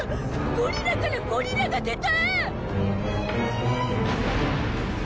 ゴリラからゴリラが出た！